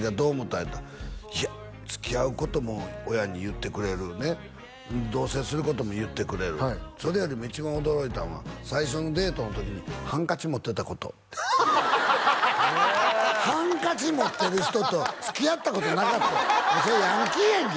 言うたらいやつきあうことも親に言ってくれるねっ同棲することも言ってくれるそれよりも一番驚いたんは最初のデートの時にハンカチ持ってたことってハンカチ持ってる人とつきあったことなかったんや「それヤンキーやんけ！」